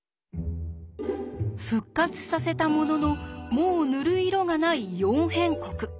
復活させたもののもう塗る色がない「四辺国」。